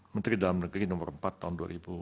menteri dalam negeri nomor empat tahun dua ribu dua